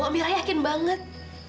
amira yakin banget